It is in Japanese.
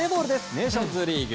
ネーションズリーグ。